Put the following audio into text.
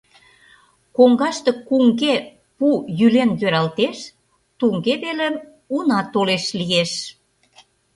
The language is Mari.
Коҥгаште куҥге пу йӱлен йӧралтеш, туҥге велым «уна толеш» лиеш.